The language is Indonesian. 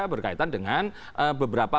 berkaitan dengan beberapa